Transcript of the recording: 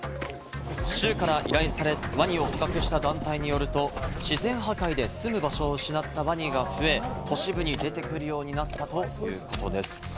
州から依頼され、ワニを捕獲した団体によると、自然破壊で住む場所を失ったワニが増え、都市部に出てくるようになったということです。